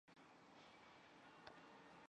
隼形目的鸟多在高树或悬崖上营巢。